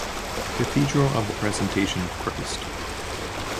Cathedral of the presentation of Christ.